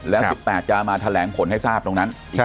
แล้ว๑๘จะมาแถลงผลให้ทราบตรงนั้นอีก